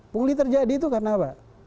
pungli terjadi itu karena apa